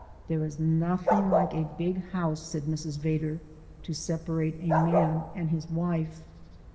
"There is nothing like a big house," said Mrs. Vedder, "to separate a man and his wife."